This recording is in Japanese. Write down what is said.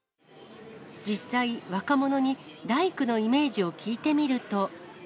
実際、若者に大工のイメージを聞いてみると。